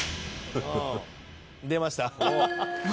「出ました」